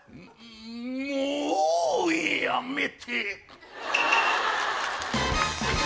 んもうやめて！